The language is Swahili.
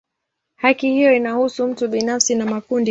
Haki hiyo inahusu mtu binafsi na makundi pia.